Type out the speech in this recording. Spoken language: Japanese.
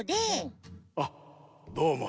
あっどうも。